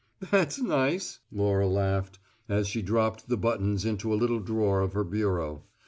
"That's nice!" Laura laughed, as she dropped the buttons into a little drawer of her bureau.